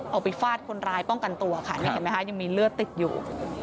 ไปฟาดคนร้ายป้องกันตัวค่ะนี่เห็นไหมคะยังมีเลือดติดอยู่